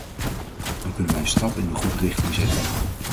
Dan kunnen wij een stap in de goede richting zetten.